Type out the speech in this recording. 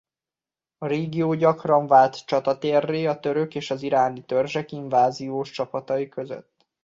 A régió gyakran vált csatatérré a török és iráni törzsek inváziós csapatai között.